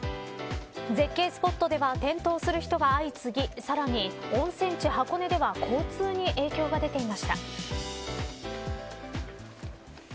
絶景スポットでは転倒する人が相次ぎさらに温泉地箱根では交通に影響が出ていました。